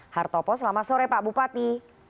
hartopo selamat sore pak bupati